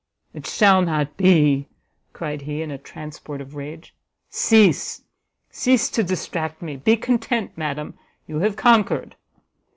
"It shall not be!" cried he, in a transport of rage; "cease, cease to distract me! be content, madam, you have conquered!"